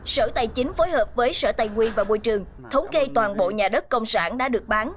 sở tài chính phối hợp với sở tài nguyên và môi trường thống kê toàn bộ nhà đất công sản đã được bán